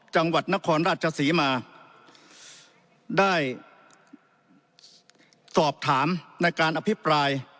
จังหวัดนครราชศรีมาได้สอบถามในการอภิปราย